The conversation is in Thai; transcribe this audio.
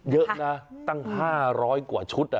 เยอะนะตั้ง๕๐๐กว่าชุด